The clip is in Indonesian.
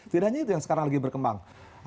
tidak hanya itu yang sekarang lagi berkembang